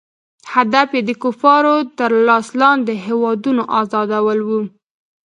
هدف یې د کفارو تر لاس لاندې هیوادونو آزادول وو.